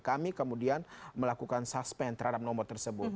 kami kemudian melakukan suspend terhadap nomor tersebut